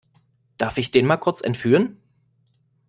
Darf ich den mal kurz entführen?